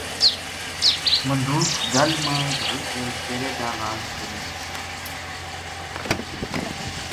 مدوکھ گَڑ ما گھل کے تیرے دا واز کروں گی